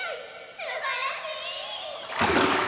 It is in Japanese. すばらしい！